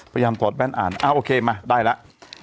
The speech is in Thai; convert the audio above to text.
พยายามตอบแว่นอ่านโอเคมาได้แล้ว